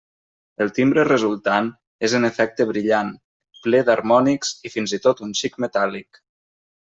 El timbre resultant és en efecte brillant, ple d'harmònics i fins i tot un xic metàl·lic.